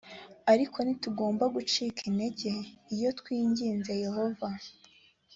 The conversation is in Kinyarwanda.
ariko ntitugomba gucika integer iyo twinginze yehova